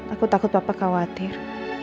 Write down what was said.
aku takut papa khawatir